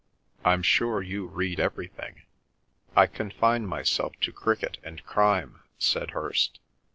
"I'm sure you read everything." "I confine myself to cricket and crime," said Hirst.